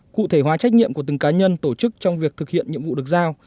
cụ thể hóa trách nhiệm của từng cá nhân tổ chức trong việc thực hiện nhiệm vụ được giao